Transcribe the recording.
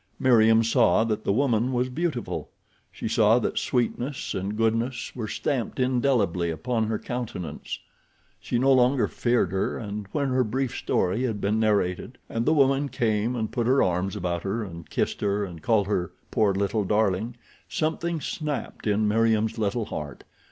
Meriem saw that the woman was beautiful. She saw that sweetness and goodness were stamped indelibly upon her countenance. She no longer feared her, and when her brief story had been narrated and the woman came and put her arms about her and kissed her and called her "poor little darling" something snapped in Meriem's little heart.